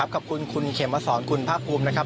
ครับคุณคุณเขมสรคุณพระภูมินะครับ